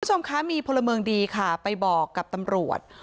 คุณผู้ชมคะมีพลเมืองดีค่ะไปบอกกับตำรวจ